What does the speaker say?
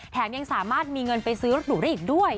ยังสามารถมีเงินไปซื้อรถหรูได้อีกด้วย